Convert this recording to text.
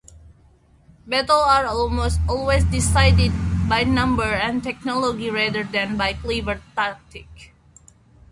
Battles are almost always decided by numbers and technology rather than by clever tactics.